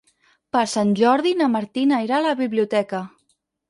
Per Sant Jordi na Martina irà a la biblioteca.